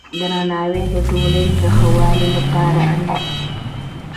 درناوی د ټولنې د ښه والي لپاره اړین دی.